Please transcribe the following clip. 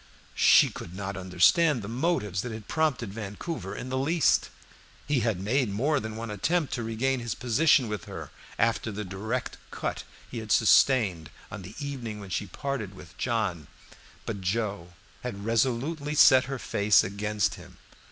She could not understand the motives that prompted Vancouver in the least. He had made more than one attempt to regain his position with her after the direct cut he had sustained on the evening when she parted with John; but Joe had resolutely set her face against him.